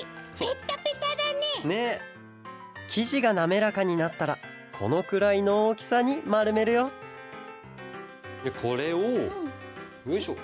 きじがなめらかになったらこのくらいのおおきさにまるめるよこれをよいしょ。